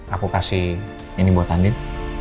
aku kasih ini buat andip